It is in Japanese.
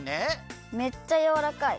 めっちゃやわらかい。